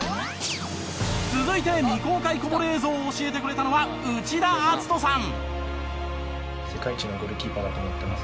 続いて未公開こぼれ映像を教えてくれたのは内田篤人さん。